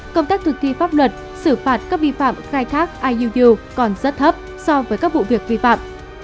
công tác thực thi pháp luật xử phạt các vi phạm khai thác iuu còn rất thấp so với các vụ việc vi phạm